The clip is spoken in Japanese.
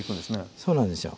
そうなんですよ。